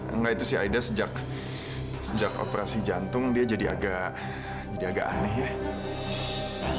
enggak itu sih aida sejak operasi jantung dia jadi agak aneh ya